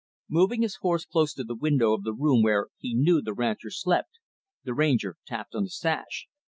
Moving his horse close to the window of the room where he knew the rancher slept, the Ranger tapped on the sash.